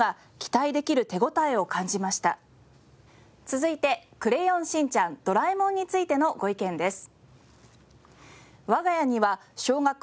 続いて『クレヨンしんちゃん』『ドラえもん』についてのご意見です。